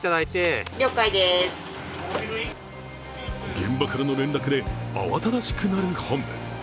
現場からの連絡で慌ただしくなる本部。